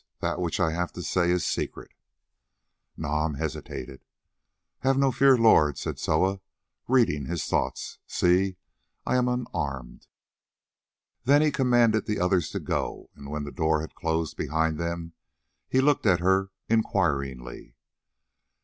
That which I have to say is secret." Nam hesitated. "Have no fear, lord," said Soa, reading his thoughts. "See, I am unarmed." Then he commanded the others to go, and when the door had closed behind them, he looked at her inquiringly.